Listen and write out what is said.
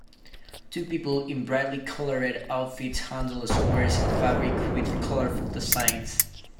Two people in brightly colored outfits handle squares of fabric with colorful designs.